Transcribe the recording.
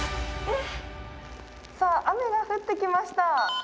さあ雨が降ってきました。